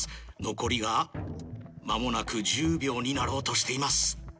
残りが間もなく１０秒になろうとしています。